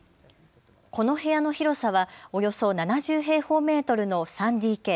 この部屋の広さはおよそ７０平方メートルの３ＤＫ。